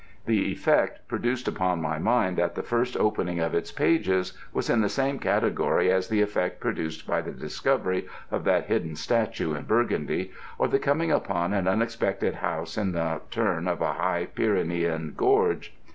The effect produced upon my mind at the first opening of its pages was in the same category as the effect produced by the discovery of that hidden statue in Burgundy, or the coming upon an unexpected house in the turn of a high Pyrenean gorge.